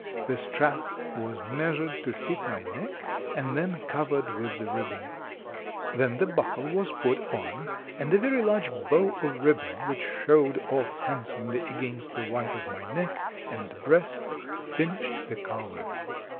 The strap was measured to fit my neck and then covered with the ribbon. Then the buckle was put on and a very large bow of ribbon, which showed off handsomely against the white of my neck and breast, finished the collar.